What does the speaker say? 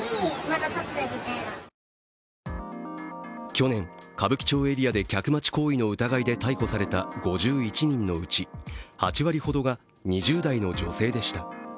去年、歌舞伎町エリアで客待ち行為の疑いで逮捕された５１人のうち８割ほどが２０代の女性でした。